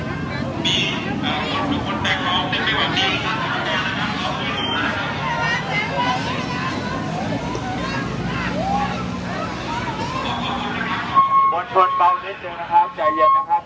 การประตูกรมทหารที่สิบเอ็ดเป็นภาพสดขนาดนี้นะครับ